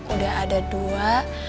udah ada dua